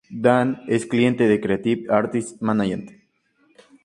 Dan es cliente de "Creative Artists Management".